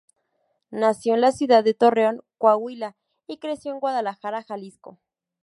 Nació en la ciudad de Torreón, Coahuila y creció en Guadalajara, Jalisco.